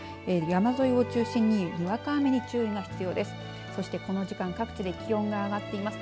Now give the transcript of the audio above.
山沿いを中心ににわか雨に注意が必要です。